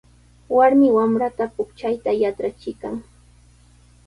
Warmi wamranta puchkayta yatrachiykan.